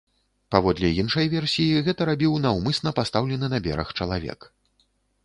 Паводле іншай версіі, гэта рабіў наўмысна пастаўлены на бераг чалавек.